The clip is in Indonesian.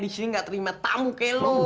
di sini nggak terima tamu kayak lo